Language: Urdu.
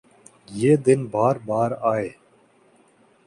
یہ دن بار بارآۓ